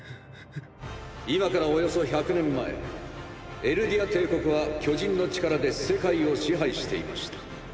今からおよそ１００年前エルディア帝国は巨人の力で世界を支配していました。